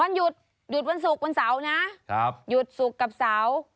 วันหยุดหยุดวันศุกร์วันเสาร์นะหยุดศุกร์กับเสาร์